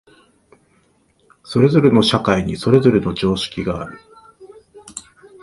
それぞれの社会にそれぞれの常識がある。